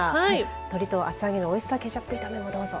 鶏と厚揚げのオイスターケチャップ炒めもどうぞ。